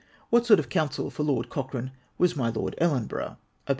What sort of counsel for Lord Cochrane was my Lord Ellenborough